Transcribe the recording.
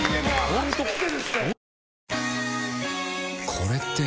これって。